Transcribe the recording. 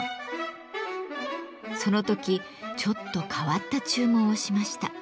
その時ちょっと変わった注文をしました。